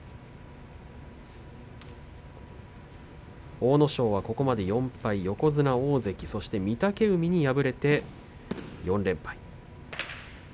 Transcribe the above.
阿武咲はここまで４敗横綱大関、そして御嶽海に敗れて４連敗。